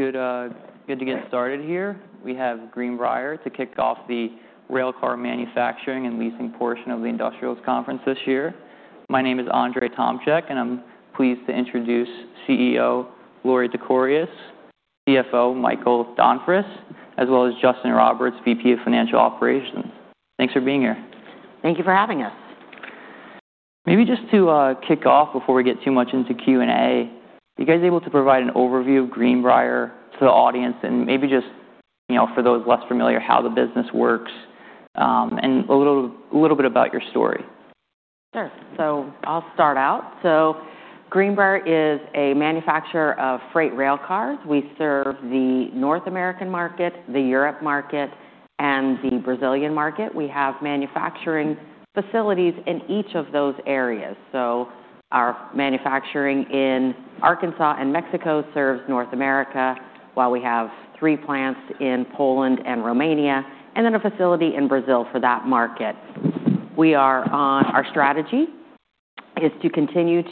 Awesome. It's good to get started here. We have Greenbrier to kick off the railcar manufacturing and leasing portion of the Industrials Conference this year. My name is Andrzej Tomczyk, and I'm pleased to introduce CEO Lorie Tekorius, CFO Michael Donfris, as well as Justin Roberts, VP of Financial Operations. Thanks for being here. Thank you for having us. Maybe just to kick off before we get too much into Q&A, are you guys able to provide an overview of Greenbrier to the audience? And maybe just for those less familiar, how the business works, and a little bit about your story. Sure. So I'll start out. So Greenbrier is a manufacturer of freight railcars. We serve the North American market, the Europe market, and the Brazilian market. We have manufacturing facilities in each of those areas. So our manufacturing in Arkansas and Mexico serves North America, while we have three plants in Poland and Romania, and then a facility in Brazil for that market. Our strategy is to continue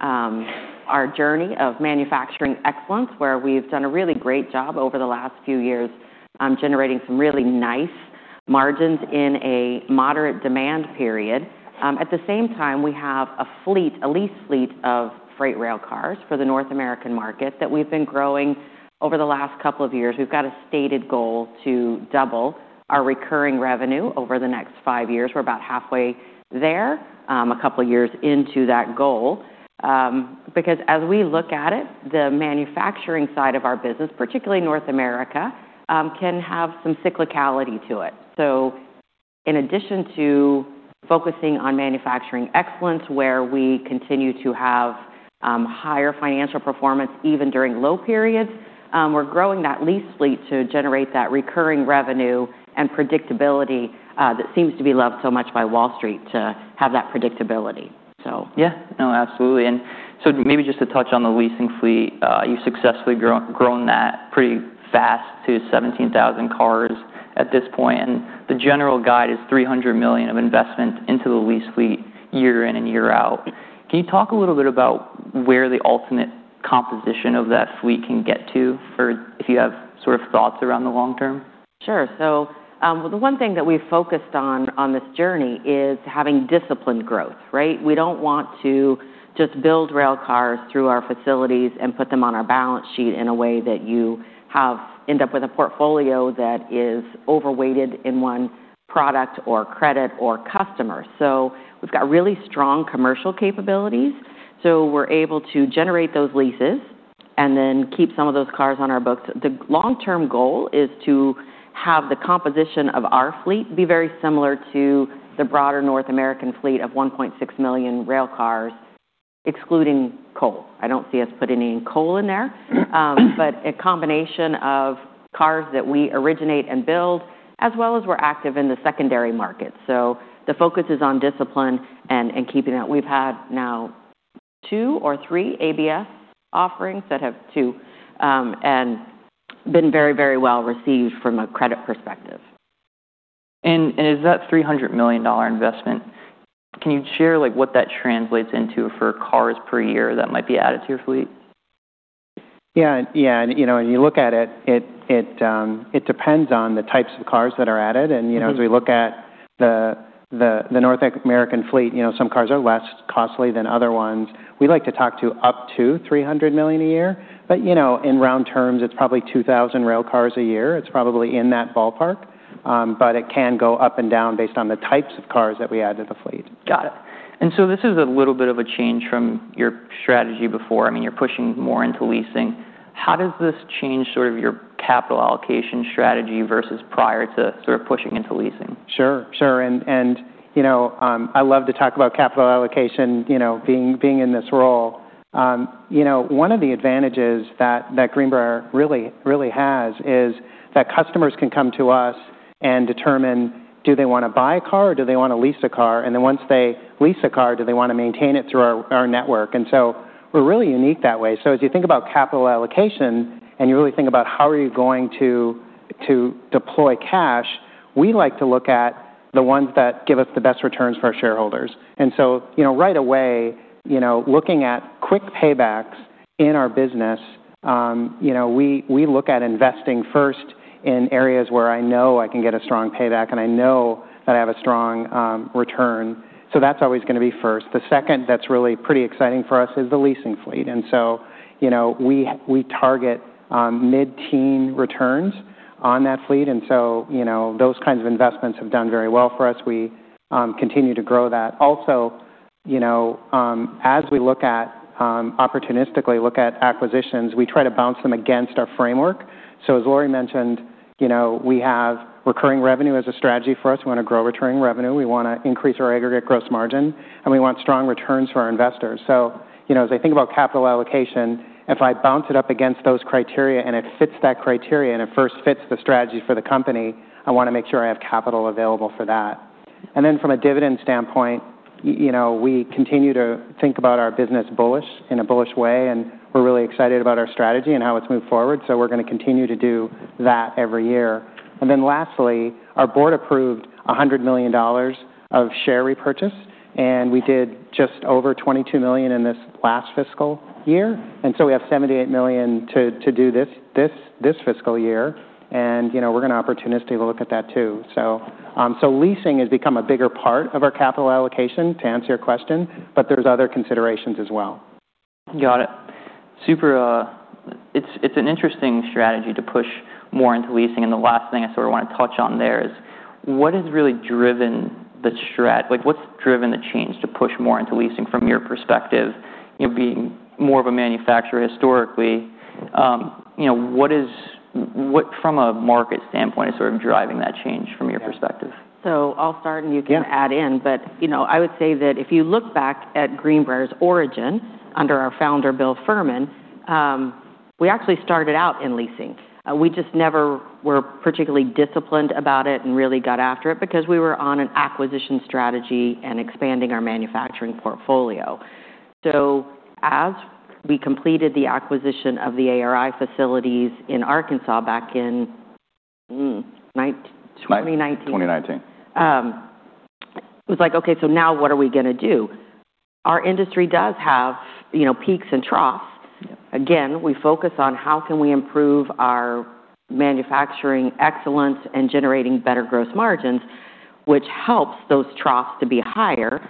our journey of manufacturing excellence, where we've done a really great job over the last few years generating some really nice margins in a moderate demand period. At the same time, we have a lease fleet of freight railcars for the North American market that we've been growing over the last couple of years. We've got a stated goal to double our recurring revenue over the next five years. We're about halfway there, a couple of years into that goal. Because as we look at it, the manufacturing side of our business, particularly North America, can have some cyclicality to it. So in addition to focusing on manufacturing excellence, where we continue to have higher financial performance even during low periods, we're growing that lease fleet to generate that recurring revenue and predictability that seems to be loved so much by Wall Street, to have that predictability. Yeah. No, absolutely. And so maybe just to touch on the leasing fleet, you've successfully grown that pretty fast to 17,000 cars at this point. And the general guide is $300 million of investment into the lease fleet year in and year out. Can you talk a little bit about where the ultimate composition of that fleet can get to, or if you have sort of thoughts around the long term? Sure. So the one thing that we've focused on this journey is having disciplined growth. We don't want to just build railcars through our facilities and put them on our balance sheet in a way that you end up with a portfolio that is overweighted in one product or credit or customer. So we've got really strong commercial capabilities. So we're able to generate those leases and then keep some of those cars on our books. The long-term goal is to have the composition of our fleet be very similar to the broader North American fleet of 1.6 million railcars, excluding coal. I don't see us putting any coal in there. But a combination of cars that we originate and build, as well as we're active in the secondary market. So the focus is on discipline and keeping that. We've had now two or three ABS offerings that have been very, very well received from a credit perspective. Is that $300 million investment, can you share what that translates into for cars per year that might be added to your fleet? Yeah. Yeah. And you look at it, it depends on the types of cars that are added. And as we look at the North American fleet, some cars are less costly than other ones. We like to talk to up to $300 million a year. But in round terms, it's probably 2,000 railcars a year. It's probably in that ballpark. But it can go up and down based on the types of cars that we add to the fleet. Got it. And so this is a little bit of a change from your strategy before. I mean, you're pushing more into leasing. How does this change sort of your capital allocation strategy versus prior to sort of pushing into leasing? Sure. Sure. And I love to talk about capital allocation being in this role. One of the advantages that Greenbrier really has is that customers can come to us and determine, do they want to buy a car, or do they want to lease a car? And then once they lease a car, do they want to maintain it through our network? And so we're really unique that way. So as you think about capital allocation and you really think about how are you going to deploy cash, we like to look at the ones that give us the best returns for our shareholders. And so right away, looking at quick paybacks in our business, we look at investing first in areas where I know I can get a strong payback and I know that I have a strong return. So that's always going to be first. The second that's really pretty exciting for us is the leasing fleet, and so we target mid-teen returns on that fleet, and so those kinds of investments have done very well for us. We continue to grow that. Also, as we look at opportunistically, look at acquisitions, we try to bounce them against our framework, so as Lorie mentioned, we have recurring revenue as a strategy for us. We want to grow recurring revenue. We want to increase our aggregate gross margin, and we want strong returns for our investors, so as I think about capital allocation, if I bounce it up against those criteria and it fits that criteria and it first fits the strategy for the company, I want to make sure I have capital available for that, and then from a dividend standpoint, we continue to think about our business bullish in a bullish way. And we're really excited about our strategy and how it's moved forward. So we're going to continue to do that every year. And then lastly, our board approved $100 million of share repurchase. And we did just over $22 million in this last fiscal year. And so we have $78 million to do this fiscal year. And we're going to opportunistically look at that too. So leasing has become a bigger part of our capital allocation to answer your question, but there's other considerations as well. Got it. It's an interesting strategy to push more into leasing. And the last thing I sort of want to touch on there is what has really driven the change to push more into leasing from your perspective? Being more of a manufacturer historically, what from a market standpoint is sort of driving that change from your perspective? So I'll start, and you can add in. But I would say that if you look back at Greenbrier's origin under our founder, Bill Furman, we actually started out in leasing. We just never were particularly disciplined about it and really got after it because we were on an acquisition strategy and expanding our manufacturing portfolio. So as we completed the acquisition of the ARI facilities in Arkansas back in 2019, it was like, "Okay, so now what are we going to do?" Our industry does have peaks and troughs. Again, we focus on how can we improve our manufacturing excellence and generating better gross margins, which helps those troughs to be higher.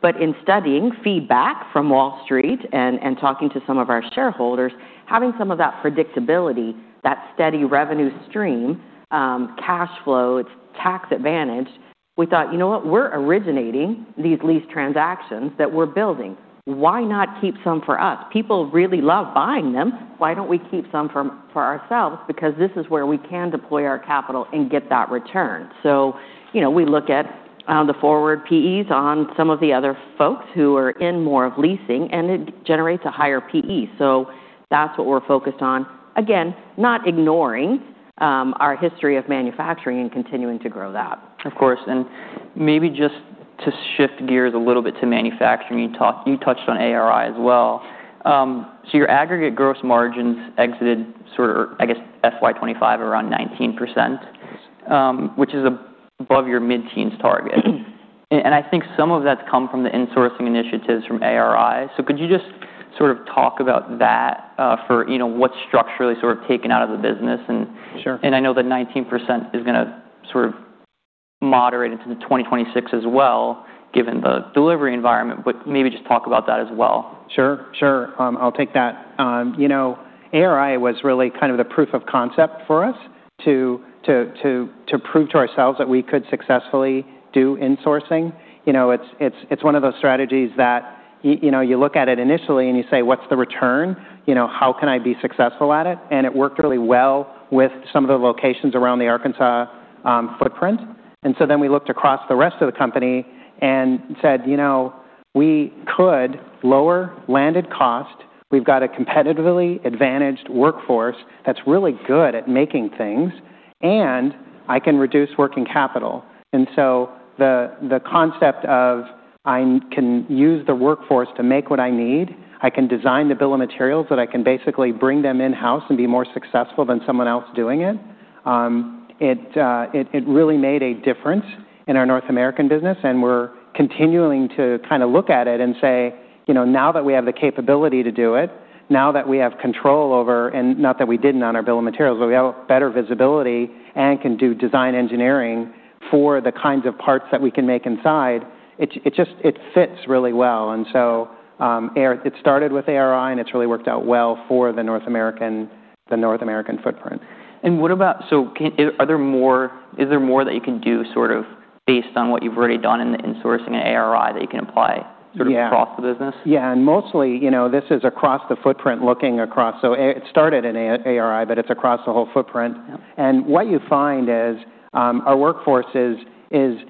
But in studying feedback from Wall Street and talking to some of our shareholders, having some of that predictability, that steady revenue stream, cash flow, it's tax advantaged, we thought, "You know what? We're originating these lease transactions that we're building. Why not keep some for us? People really love buying them. Why don't we keep some for ourselves? Because this is where we can deploy our capital and get that return." So we look at the forward PEs on some of the other folks who are in more of leasing, and it generates a higher PE. So that's what we're focused on. Again, not ignoring our history of manufacturing and continuing to grow that. Of course. And maybe just to shift gears a little bit to manufacturing, you touched on ARI as well. So your aggregate gross margins exited sort of, I guess, FY 2025 around 19%, which is above your mid-teens target. And I think some of that's come from the insourcing initiatives from ARI. So could you just sort of talk about that for what's structurally sort of taken out of the business? And I know that 19% is going to sort of moderate into 2026 as well, given the delivery environment, but maybe just talk about that as well. Sure. Sure. I'll take that. ARI was really kind of the proof of concept for us to prove to ourselves that we could successfully do insourcing. It's one of those strategies that you look at it initially and you say, "What's the return? How can I be successful at it?" And it worked really well with some of the locations around the Arkansas footprint. And so then we looked across the rest of the company and said, "We could lower landed cost. We've got a competitively advantaged workforce that's really good at making things, and I can reduce working capital." And so the concept of, "I can use the workforce to make what I need. I can design the bill of materials that I can basically bring them in-house and be more successful than someone else doing it," it really made a difference in our North American business. And we're continuing to kind of look at it and say, "Now that we have the capability to do it, now that we have control over," and not that we didn't on our bill of materials, but we have better visibility and can do design engineering for the kinds of parts that we can make inside. It fits really well. And so it started with ARI, and it's really worked out well for the North American footprint. And what about, so are there more that you can do sort of based on what you've already done in the insourcing and ARI that you can apply sort of across the business? Yeah. And mostly, this is across the footprint looking across. So it started in ARI, but it's across the whole footprint. And what you find is our workforce is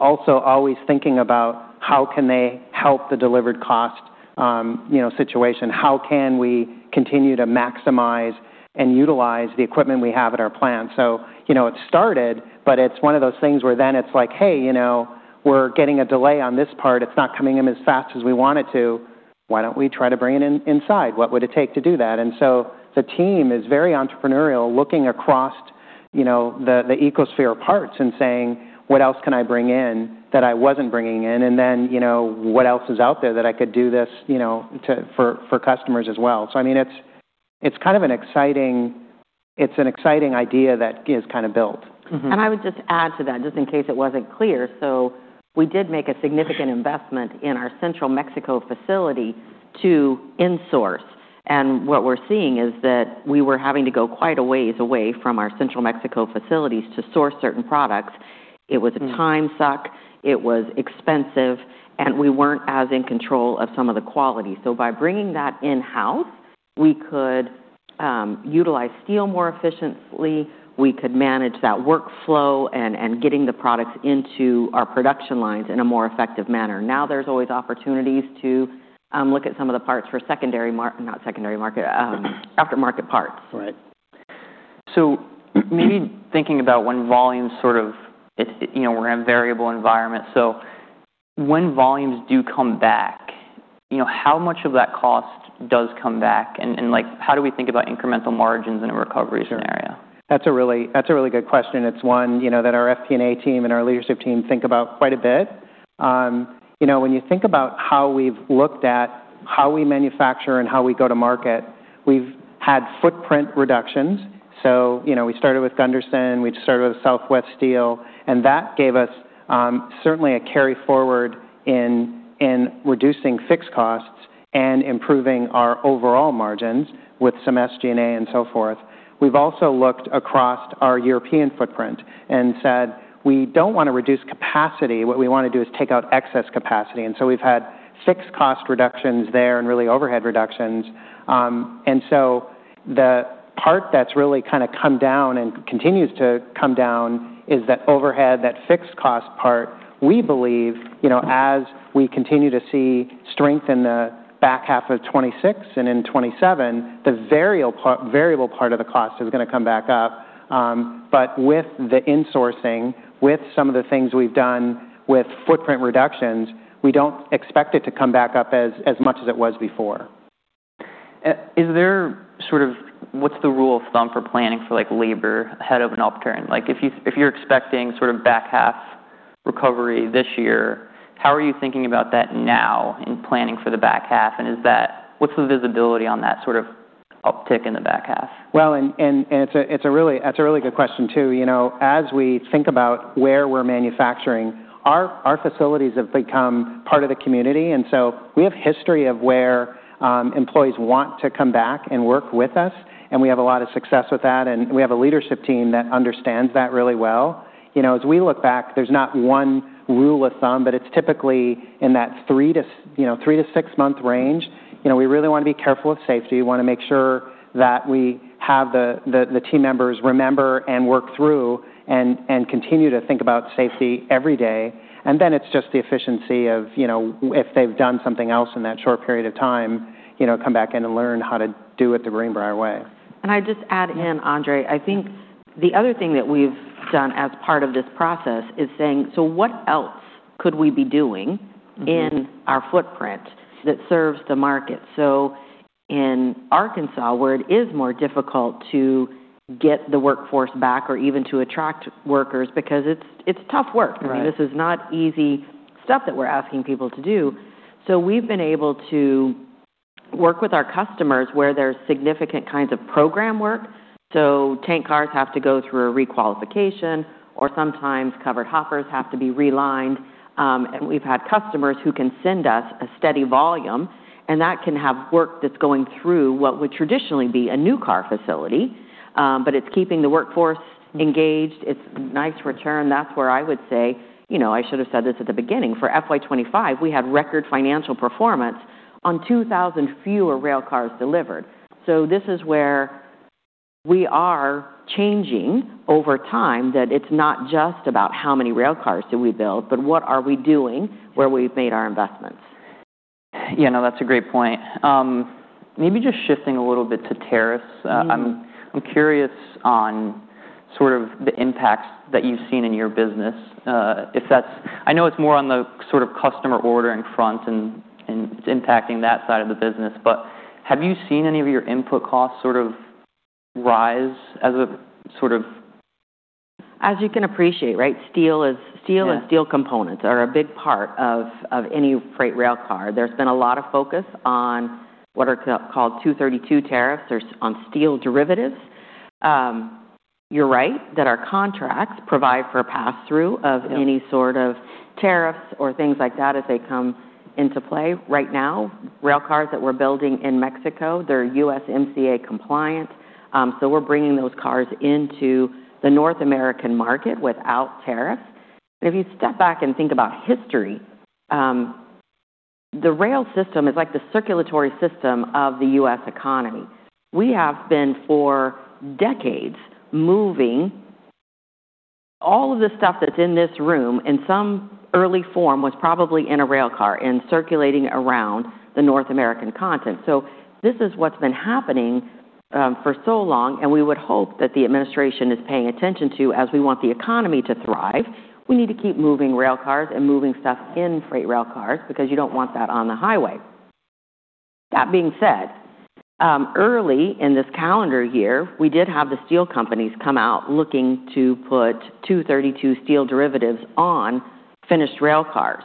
also always thinking about how can they help the delivered cost situation. How can we continue to maximize and utilize the equipment we have at our plant? So it started, but it's one of those things where then it's like, "Hey, we're getting a delay on this part. It's not coming in as fast as we want it to. Why don't we try to bring it inside? What would it take to do that?" And so the team is very entrepreneurial, looking across the ecosystem of parts and saying, "What else can I bring in that I wasn't bringing in? “And then what else is out there that I could do this for customers as well?” so I mean, it's kind of an exciting idea that is kind of built. I would just add to that, just in case it wasn't clear. We did make a significant investment in our Central Mexico facility to insource. What we're seeing is that we were having to go quite a ways away from our Central Mexico facilities to source certain products. It was a time suck. It was expensive. We weren't as in control of some of the quality. By bringing that in-house, we could utilize steel more efficiently. We could manage that workflow and getting the products into our production lines in a more effective manner. Now there's always opportunities to look at some of the parts for secondary market, not secondary market, aftermarket parts. Right. So maybe thinking about when volumes sort of, we're in a variable environment. So when volumes do come back, how much of that cost does come back? And how do we think about incremental margins in a recovery scenario? That's a really good question. It's one that our FP&A team and our leadership team think about quite a bit. When you think about how we've looked at how we manufacture and how we go to market, we've had footprint reductions. So we started with Gunderson. We started with Southwest Steel. And that gave us certainly a carry forward in reducing fixed costs and improving our overall margins with some SG&A and so forth. We've also looked across our European footprint and said, "We don't want to reduce capacity. What we want to do is take out excess capacity." And so we've had fixed cost reductions there and really overhead reductions. And so the part that's really kind of come down and continues to come down is that overhead, that fixed cost part. We believe as we continue to see strength in the back half of 2026 and in 2027, the variable part of the cost is going to come back up. But with the insourcing, with some of the things we've done with footprint reductions, we don't expect it to come back up as much as it was before. Is there sort of, what's the rule of thumb for planning for labor ahead of an upturn? If you're expecting sort of back half recovery this year, how are you thinking about that now in planning for the back half? And what's the visibility on that sort of uptick in the back half? Well, and it's a really good question too. As we think about where we're manufacturing, our facilities have become part of the community. And so we have history of where employees want to come back and work with us. And we have a lot of success with that. And we have a leadership team that understands that really well. As we look back, there's not one rule of thumb, but it's typically in that three- to six-month range. We really want to be careful of safety. We want to make sure that we have the team members remember and work through and continue to think about safety every day. And then it's just the efficiency of if they've done something else in that short period of time, come back in and learn how to do it the Greenbrier way. And I'd just add in, Andrzej. I think the other thing that we've done as part of this process is saying, "So what else could we be doing in our footprint that serves the market?" So in Arkansas, where it is more difficult to get the workforce back or even to attract workers because it's tough work. I mean, this is not easy stuff that we're asking people to do. So we've been able to work with our customers where there's significant kinds of program work. So tank cars have to go through a requalification, or sometimes covered hoppers have to be relined. And we've had customers who can send us a steady volume, and that can have work that's going through what would traditionally be a new car facility. But it's keeping the workforce engaged. It's nice return. That's where I would say, "I should have said this at the beginning. For FY 2025, we had record financial performance on 2,000 fewer rail cars delivered." So this is where we are changing over time, that it's not just about how many rail cars do we build, but what are we doing where we've made our investments. Yeah, no, that's a great point. Maybe just shifting a little bit to tariffs. I'm curious on sort of the impacts that you've seen in your business. I know it's more on the sort of customer ordering front, and it's impacting that side of the business, but have you seen any of your input costs sort of rise as a sort of? As you can appreciate, right, steel and steel components are a big part of any freight rail car. There's been a lot of focus on what are called Section 232 tariffs on steel derivatives. You're right that our contracts provide for pass-through of any sort of tariffs or things like that as they come into play. Right now, rail cars that we're building in Mexico, they're USMCA compliant, so we're bringing those cars into the North American market without tariffs, and if you step back and think about history, the rail system is like the circulatory system of the U.S. economy. We have been for decades moving all of the stuff that's in this room, in some early form was probably in a rail car, and circulating around the North American continent, so this is what's been happening for so long. And we would hope that the administration is paying attention to, as we want the economy to thrive, we need to keep moving rail cars and moving stuff in freight rail cars because you don't want that on the highway. That being said, early in this calendar year, we did have the steel companies come out looking to put 232 steel derivatives on finished rail cars.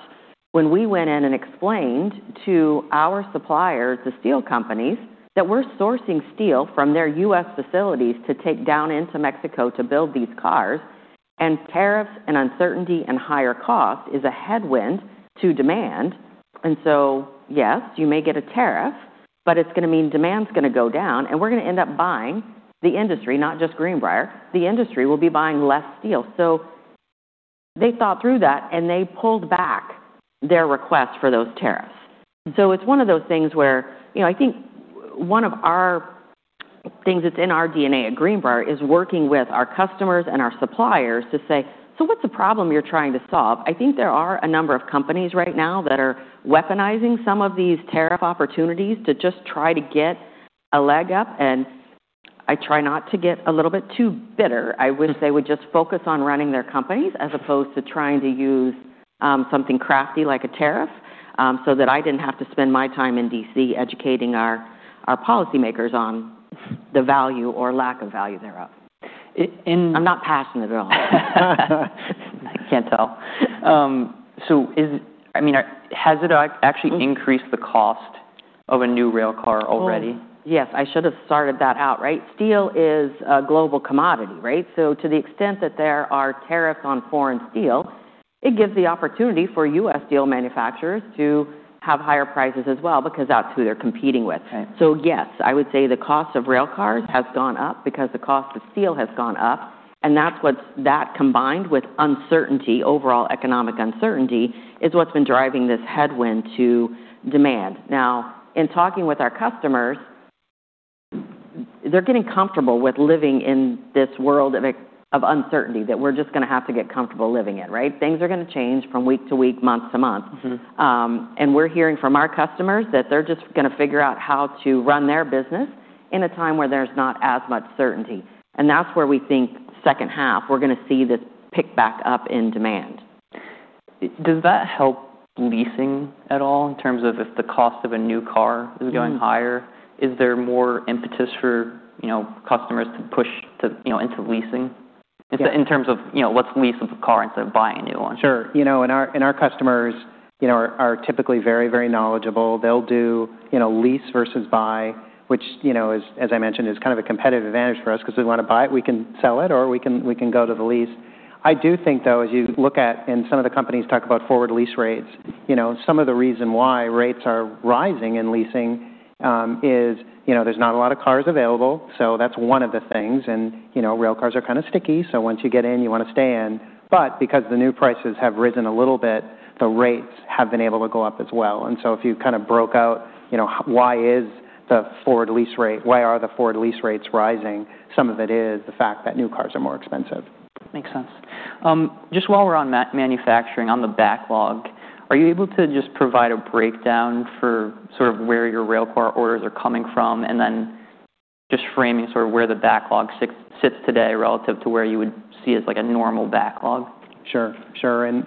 When we went in and explained to our suppliers, the steel companies, that we're sourcing steel from their U.S. facilities to take down into Mexico to build these cars, and tariffs and uncertainty and higher costs is a headwind to demand. And so, yes, you may get a tariff, but it's going to mean demand's going to go down, and we're going to end up buying the industry, not just Greenbrier. The industry will be buying less steel. So they thought through that, and they pulled back their request for those tariffs. So it's one of those things where I think one of our things that's in our DNA at Greenbrier is working with our customers and our suppliers to say, "So what's the problem you're trying to solve?" I think there are a number of companies right now that are weaponizing some of these tariff opportunities to just try to get a leg up. And I try not to get a little bit too bitter. I wish they would just focus on running their companies as opposed to trying to use something crafty like a tariff so that I didn't have to spend my time in DC educating our policymakers on the value or lack of value thereof. I'm not passionate at all. I can't tell. I mean, has it actually increased the cost of a new rail car already? Yes. I should have started that out, right? Steel is a global commodity, right? So to the extent that there are tariffs on foreign steel, it gives the opportunity for U.S. steel manufacturers to have higher prices as well because that's who they're competing with. So yes, I would say the cost of rail cars has gone up because the cost of steel has gone up, and that's what's combined with uncertainty, overall economic uncertainty, is what's been driving this headwind to demand. Now, in talking with our customers, they're getting comfortable with living in this world of uncertainty that we're just going to have to get comfortable living in, right? Things are going to change from week to week, month to month. And we're hearing from our customers that they're just going to figure out how to run their business in a time where there's not as much certainty. And that's where we think second half, we're going to see this pick back up in demand. Does that help leasing at all in terms of if the cost of a new car is going higher? Is there more impetus for customers to push into leasing in terms of, "Let's lease a car instead of buying a new one"? Sure. And our customers are typically very, very knowledgeable. They'll do lease versus buy, which, as I mentioned, is kind of a competitive advantage for us because we want to buy it. We can sell it, or we can go to the lease. I do think, though, as you look at, and some of the companies talk about forward lease rates, some of the reason why rates are rising in leasing is there's not a lot of cars available. So that's one of the things. And rail cars are kind of sticky. So once you get in, you want to stay in. But because the new prices have risen a little bit, the rates have been able to go up as well. And so if you kind of broke out, "Why is the forward lease rate? Why are the forward lease rates rising?" Some of it is the fact that new cars are more expensive. Makes sense. Just while we're on manufacturing, on the backlog, are you able to just provide a breakdown for sort of where your rail car orders are coming from and then just framing sort of where the backlog sits today relative to where you would see as like a normal backlog? Sure. Sure. And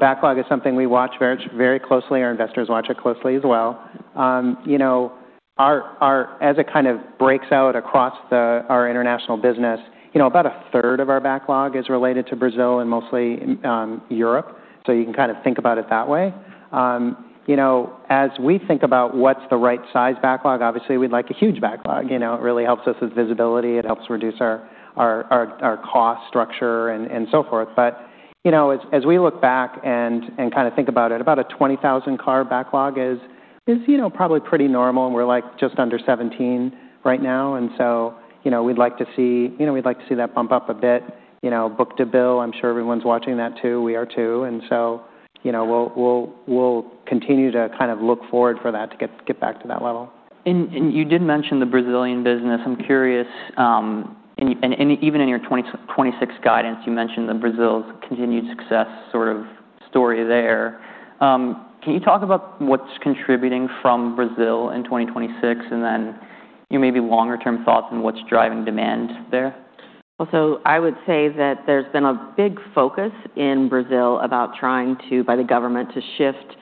backlog is something we watch very closely. Our investors watch it closely as well. As it kind of breaks out across our international business, about a third of our backlog is related to Brazil and mostly Europe. So you can kind of think about it that way. As we think about what's the right size backlog, obviously, we'd like a huge backlog. It really helps us with visibility. It helps reduce our cost structure and so forth. But as we look back and kind of think about it, about a 20,000-car backlog is probably pretty normal. And we're like just under 17 right now. And so we'd like to see that bump up a bit book-to-bill, I'm sure everyone's watching that too. We are too. We'll continue to kind of look forward for that to get back to that level. You did mention the Brazilian business. I'm curious. Even in your 2026 guidance, you mentioned Brazil's continued success sort of story there. Can you talk about what's contributing from Brazil in 2026 and then maybe longer-term thoughts on what's driving demand there? I would say that there's been a big focus in Brazil about trying to, by the government, to shift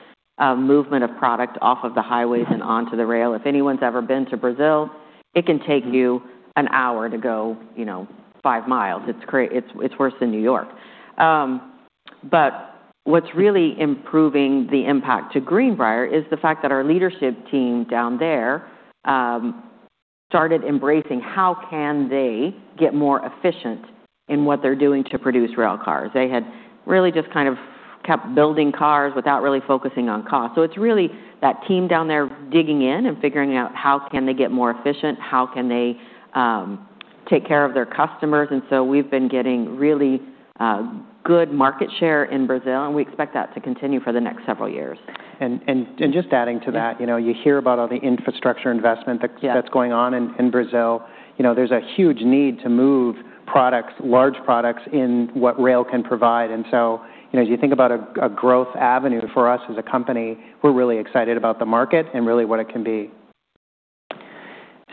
movement of product off of the highways and onto the rail. If anyone's ever been to Brazil, it can take you an hour to go five miles. It's worse than New York. But what's really improving the impact to Greenbrier is the fact that our leadership team down there started embracing how can they get more efficient in what they're doing to produce rail cars. They had really just kind of kept building cars without really focusing on cost. So it's really that team down there digging in and figuring out how can they get more efficient, how can they take care of their customers. And so we've been getting really good market share in Brazil, and we expect that to continue for the next several years. And just adding to that, you hear about all the infrastructure investment that's going on in Brazil. There's a huge need to move products, large products in what rail can provide. And so as you think about a growth avenue for us as a company, we're really excited about the market and really what it can be.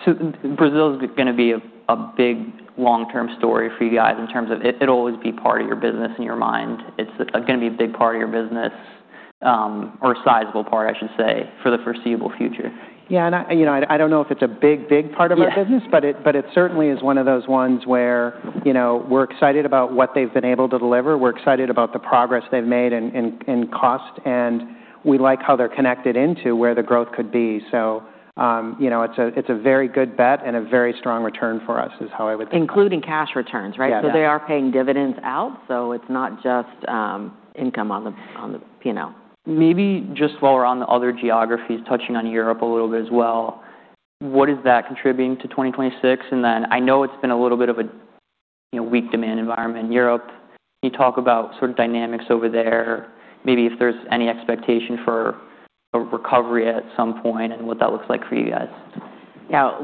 So Brazil is going to be a big long-term story for you guys in terms of it'll always be part of your business in your mind. It's going to be a big part of your business or a sizable part, I should say, for the foreseeable future. Yeah, and I don't know if it's a big, big part of our business, but it certainly is one of those ones where we're excited about what they've been able to deliver. We're excited about the progress they've made in cost, and we like how they're connected into where the growth could be, so it's a very good bet and a very strong return for us is how I would think. Including cash returns, right? So they are paying dividends out. So it's not just income on the. Maybe just while we're on the other geographies, touching on Europe a little bit as well, what is that contributing to 2026? And then I know it's been a little bit of a weak demand environment in Europe. Can you talk about sort of dynamics over there, maybe if there's any expectation for a recovery at some point and what that looks like for you guys? Yeah.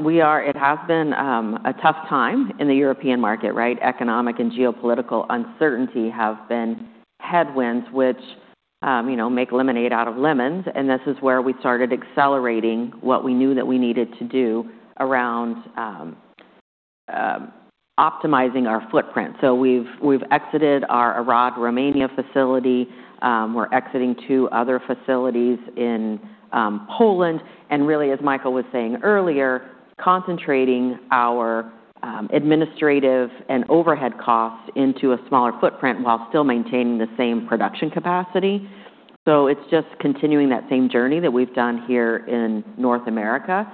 It has been a tough time in the European market, right? Economic and geopolitical uncertainty have been headwinds, which make lemonade out of lemons, and this is where we started accelerating what we knew that we needed to do around optimizing our footprint, so we've exited our Arad, Romania facility. We're exiting two other facilities in Poland, and really, as Michael was saying earlier, concentrating our administrative and overhead costs into a smaller footprint while still maintaining the same production capacity, so it's just continuing that same journey that we've done here in North America.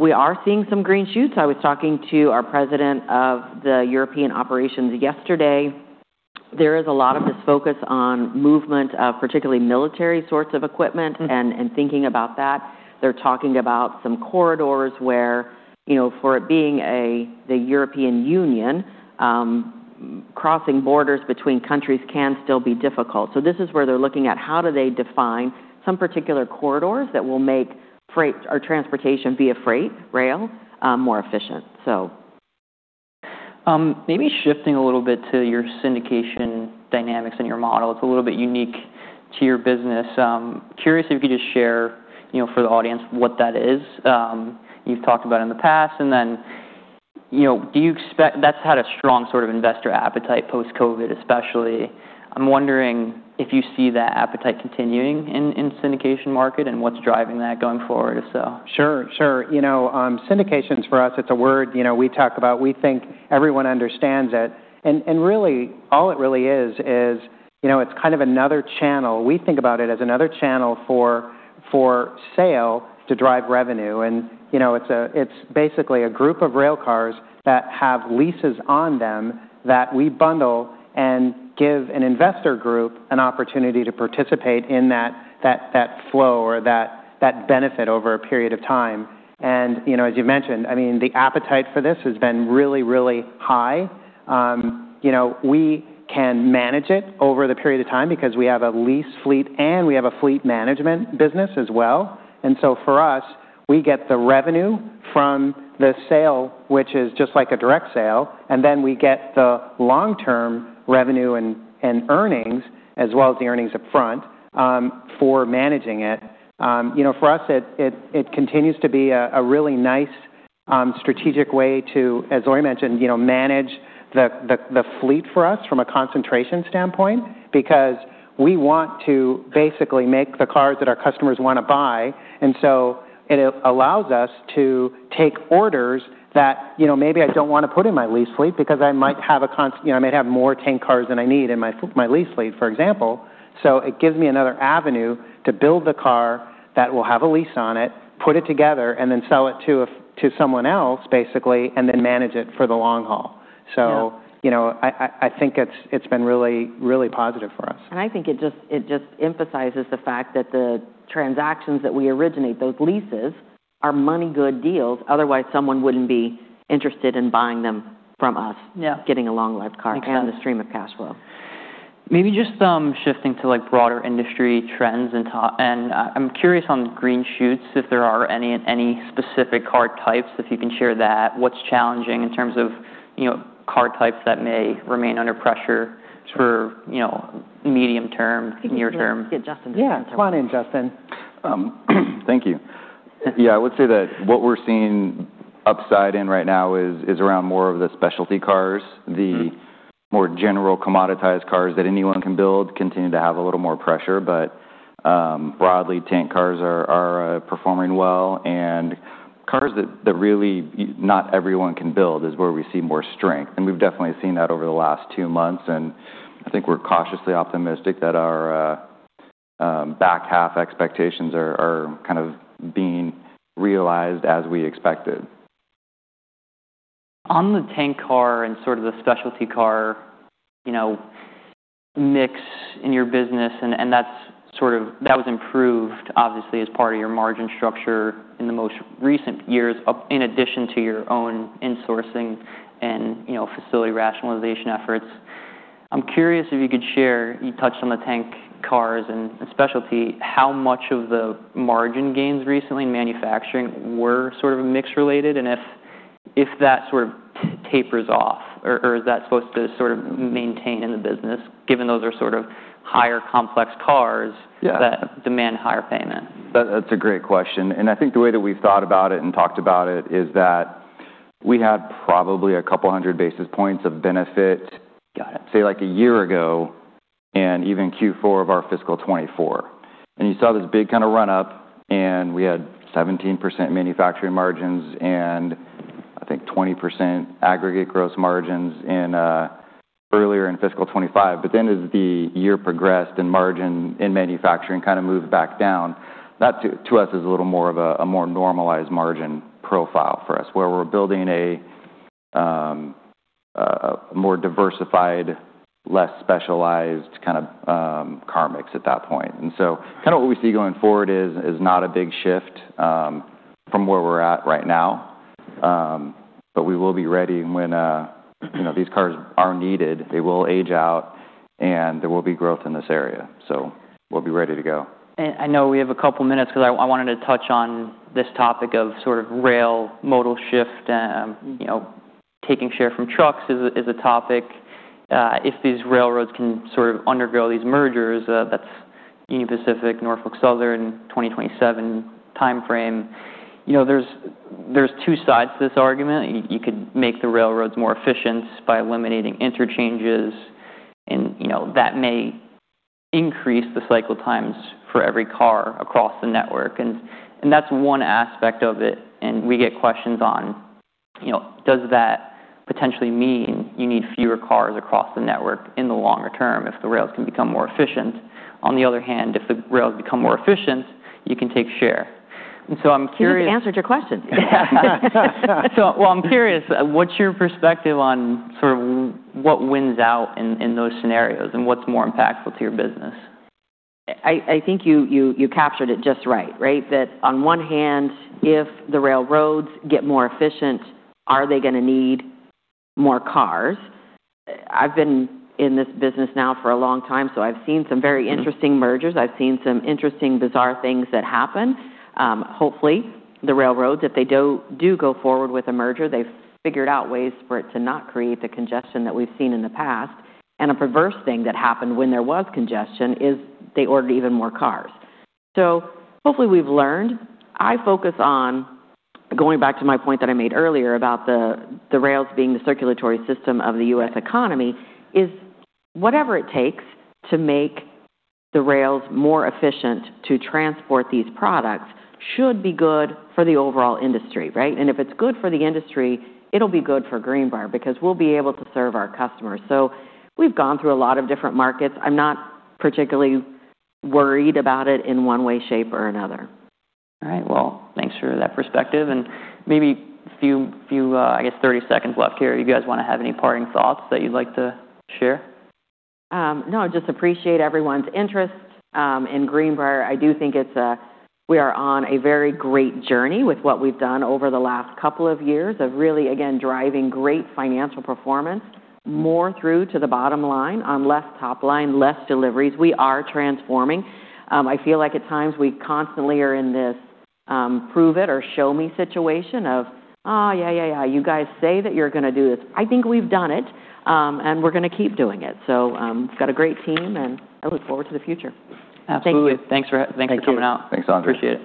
We are seeing some green shoots. I was talking to our president of the European operations yesterday. There is a lot of this focus on movement of particularly military sorts of equipment and thinking about that. They're talking about some corridors where, for it being the European Union, crossing borders between countries can still be difficult, so this is where they're looking at how do they define some particular corridors that will make our transportation via freight rail more efficient. Maybe shifting a little bit to your syndication dynamics and your model. It's a little bit unique to your business. Curious if you could just share for the audience what that is you've talked about in the past? And then do you expect that's had a strong sort of investor appetite post-COVID, especially? I'm wondering if you see that appetite continuing in the syndication market and what's driving that going forward, if so. Sure. Sure. Syndications for us, it's a word we talk about. We think everyone understands it. Really, all it really is, it's kind of another channel. We think about it as another channel for sale to drive revenue. It's basically a group of rail cars that have leases on them that we bundle and give an investor group an opportunity to participate in that flow or that benefit over a period of time. As you mentioned, I mean, the appetite for this has been really, really high. We can manage it over the period of time because we have a lease fleet, and we have a fleet management business as well. So for us, we get the revenue from the sale, which is just like a direct sale. Then we get the long-term revenue and earnings, as well as the earnings upfront, for managing it. For us, it continues to be a really nice strategic way to, as I mentioned, manage the fleet for us from a concentration standpoint because we want to basically make the cars that our customers want to buy. And so it allows us to take orders that maybe I don't want to put in my lease fleet because I might have more tank cars than I need in my lease fleet, for example. So it gives me another avenue to build the car that will have a lease on it, put it together, and then sell it to someone else, basically, and then manage it for the long haul. So I think it's been really, really positive for us. I think it just emphasizes the fact that the transactions that we originate, those leases, are money-good deals. Otherwise, someone wouldn't be interested in buying them from us, getting a long-life car and the stream of cash flow. Maybe just shifting to broader industry trends, and I'm curious on green shoots, if there are any specific car types if you can share that, what's challenging in terms of car types that may remain under pressure for medium term, near term? Justin. Yeah. Come on in, Justin. Thank you. Yeah. I would say that what we're seeing upside in right now is around more of the specialty cars, the more general commoditized cars that anyone can build, continue to have a little more pressure. But broadly, tank cars are performing well. And cars that really not everyone can build is where we see more strength. And we've definitely seen that over the last two months. And I think we're cautiously optimistic that our back half expectations are kind of being realized as we expected. On the tank car and sort of the specialty car mix in your business, and that was improved, obviously, as part of your margin structure in the most recent years, in addition to your own insourcing and facility rationalization efforts. I'm curious if you could share. You touched on the tank cars and specialty. How much of the margin gains recently in manufacturing were sort of mix-related? And if that sort of tapers off, or is that supposed to sort of maintain in the business, given those are sort of higher complex cars that demand higher payment? That's a great question, and I think the way that we've thought about it and talked about it is that we had probably a couple hundred basis points of benefit, say, like a year ago and even Q4 of our fiscal 2024, and you saw this big kind of run-up, and we had 17% manufacturing margins and, I think, 20% aggregate gross margins earlier in fiscal 2025, but then as the year progressed and margin in manufacturing kind of moved back down, that to us is a little more of a more normalized margin profile for us, where we're building a more diversified, less specialized kind of car mix at that point, and so kind of what we see going forward is not a big shift from where we're at right now, but we will be ready when these cars are needed. They will age out, and there will be growth in this area. So we'll be ready to go. And I know we have a couple minutes because I wanted to touch on this topic of sort of rail modal shift and taking share from trucks is a topic. If these railroads can sort of undergo these mergers, that's Union Pacific, Norfolk Southern, 2027 timeframe. There's two sides to this argument. You could make the railroads more efficient by eliminating interchanges, and that may increase the cycle times for every car across the network. And that's one aspect of it. And we get questions on, does that potentially mean you need fewer cars across the network in the longer term if the rails can become more efficient? On the other hand, if the rails become more efficient, you can take share. And so I'm curious. You answered your question. I'm curious, what's your perspective on sort of what wins out in those scenarios and what's more impactful to your business? I think you captured it just right, right? That on one hand, if the railroads get more efficient, are they going to need more cars? I've been in this business now for a long time, so I've seen some very interesting mergers. I've seen some interesting, bizarre things that happen. Hopefully, the railroads, if they do go forward with a merger, they've figured out ways for it to not create the congestion that we've seen in the past, and a perverse thing that happened when there was congestion is they ordered even more cars, so hopefully, we've learned. I focus on going back to my point that I made earlier about the rails being the circulatory system of the U.S. economy, is whatever it takes to make the rails more efficient to transport these products should be good for the overall industry, right? And if it's good for the industry, it'll be good for Greenbrier because we'll be able to serve our customers. So we've gone through a lot of different markets. I'm not particularly worried about it in one way, shape, or another. All right. Well, thanks for that perspective. And maybe a few, I guess, 30 seconds left here. You guys want to have any parting thoughts that you'd like to share? No, just appreciate everyone's interest in Greenbrier. I do think we are on a very great journey with what we've done over the last couple of years of really, again, driving great financial performance more through to the bottom line on less top line, less deliveries. We are transforming. I feel like at times we constantly are in this prove it or show me situation of, "Oh, yeah, yeah, yeah. You guys say that you're going to do this." I think we've done it, and we're going to keep doing it. So we've got a great team, and I look forward to the future. Absolutely. Thanks for coming out. Thanks, Andrzej.